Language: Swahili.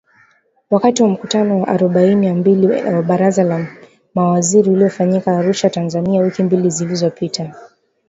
Wakati wa mkutano wa arubaini na mbili wa Baraza la Mawaziri uliofanyika Arusha, Tanzania wiki mbili zilizopita .